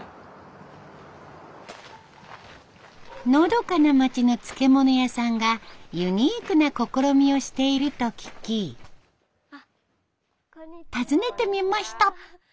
のどかな町の漬物屋さんがユニークな試みをしていると聞き訪ねてみました。